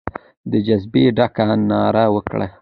د جذبې ډکه ناره وکړه.